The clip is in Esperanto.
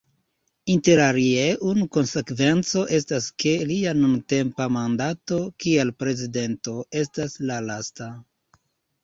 Interalie unu konsekvenco estas, ke lia nuntempa mandato kiel prezidento estas la lasta.